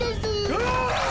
うわ！